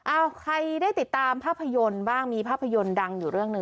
ใครได้ติดตามภาพยนตร์บ้างมีภาพยนตร์ดังอยู่เรื่องหนึ่ง